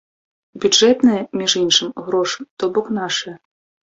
Бюджэтныя, між іншым, грошы, то-бок нашыя.